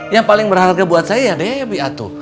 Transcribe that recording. yang paling berharga buat saya debbie atuh